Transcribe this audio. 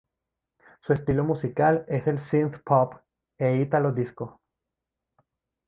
Su estilo musical es el Synthpop e Italo disco.